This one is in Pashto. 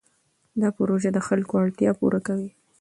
دا پروژه د خلکو اړتیا پوره کوي.